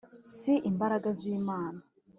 si imbaraga z’Imana.